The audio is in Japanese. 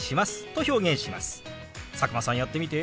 佐久間さんやってみて。